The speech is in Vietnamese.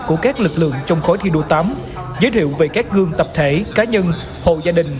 của các lực lượng trong khối thi đua tám giới thiệu về các gương tập thể cá nhân hộ gia đình